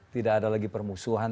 tidak ada lagi permusuhan